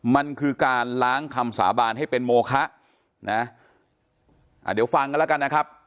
มันคือการล้างคำสาบานให้เป็นโมคะนะอ่าเดี๋ยวฟังกันแล้วกันนะครับ